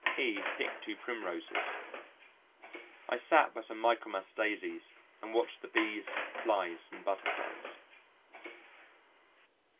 E picked two Primroses. I sat by some Michaelmas Daisies and watched the Bees, Flies, and Butterflies.